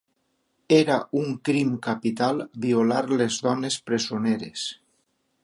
Era un crim capital violar les dones presoneres.